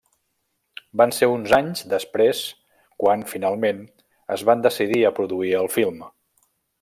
Van ser uns anys després quan finalment es van decidir a produir el film.